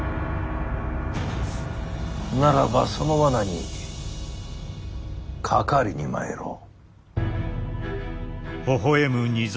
ならばその罠にかかりにまいろう。